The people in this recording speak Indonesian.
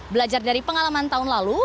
belajar dari pengalaman tahun lalu